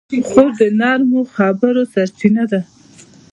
خور د نرمو خبرو سرچینه ده.